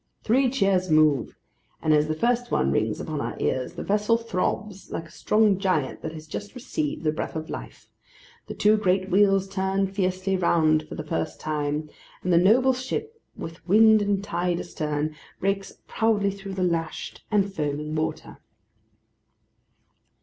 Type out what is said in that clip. Three cheers more: and as the first one rings upon our ears, the vessel throbs like a strong giant that has just received the breath of life; the two great wheels turn fiercely round for the first time; and the noble ship, with wind and tide astern, breaks proudly through the lashed and roaming water.